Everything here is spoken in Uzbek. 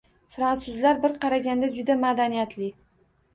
Fransuzlar bir qaraganda juda madaniyatli.